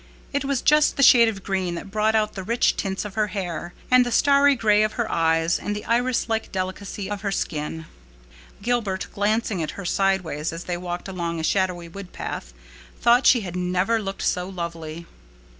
It was just the shade of green that brought out the rich tints of her hair, and the starry gray of her eyes and the iris like delicacy of her skin. Gilbert, glancing at her sideways as they walked along a shadowy woodpath, thought she had never looked so lovely.